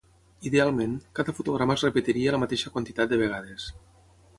Idealment, cada fotograma es repetiria la mateixa quantitat de vegades.